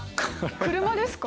車ですか？